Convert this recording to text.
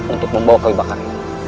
untuk membawa kau ke bakarim